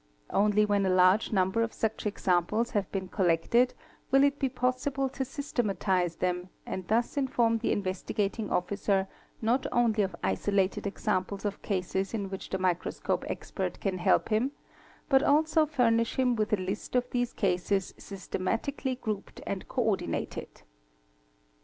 Only when a large number of such examples have been collected will it be possible to systematize them and thus inform the Investigating Ofh cer not only of isolated examples of cases in which the microscope — expert can help him but also furnish him with a list of these cases systematically grouped and co ordinated.